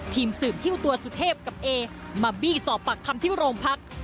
ทีมสืบฮิ้วตัวสุเทพกับเอมาบี้สอบปากคำที่โรงพัก